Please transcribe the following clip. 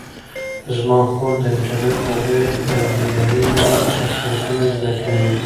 زما خور د انټرنیټ له لارې د انځورګرۍ نوي تخنیکونه زده کوي.